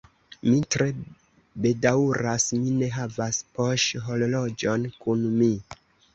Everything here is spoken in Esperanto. Mi tre bedaŭras, mi ne havas poŝhorloĝon kun mi.